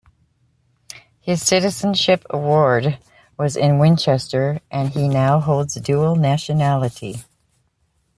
His citizenship award was in Winchester and he now holds dual nationality.